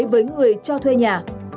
với người cho thuê nhà